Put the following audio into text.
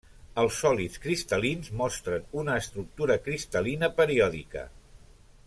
Els sòlids cristal·lins mostren una estructura cristal·lina periòdica.